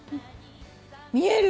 見える？